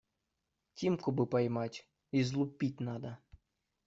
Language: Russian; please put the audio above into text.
Тимку бы поймать, излупить надо.